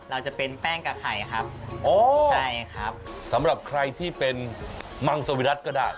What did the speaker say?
จะเป็นแป้งกับไข่ครับโอ้ใช่ครับสำหรับใครที่เป็นมังสวิรัติก็ได้